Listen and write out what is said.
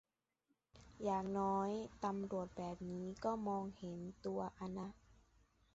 แต่อย่างน้อยตำรวจแบบนี้ก็มองเห็นตัวอ่ะนะ